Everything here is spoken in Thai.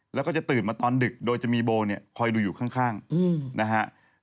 แล้วก็จะตื่นมาตอนดึกโดยจะมีโบเนี่ยคอยดูอยู่ข้างนะฮะ